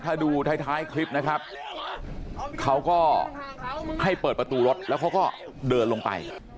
ถ้าดูท้ายคลิปนะครับเขาก็ให้เปิดประตูรถแล้วเขาก็เดินลงไป